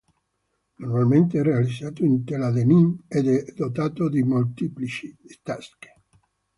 Normalmente è realizzato in tela denim, ed è dotato di molteplici tasche.